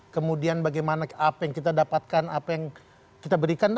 kemudian bagaimana apa yang kita dapatkan apa yang kita berikan